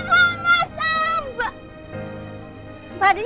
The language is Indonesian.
boleh kamu mbak andin